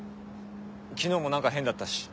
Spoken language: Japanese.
昨日も何か変だったし。